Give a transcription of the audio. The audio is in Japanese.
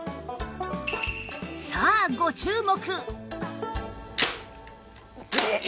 さあご注目！